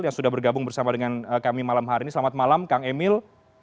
yang sudah bergabung bersama dengan kami malam hari ini selamat malam kang emil